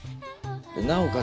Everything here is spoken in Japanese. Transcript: なおかつ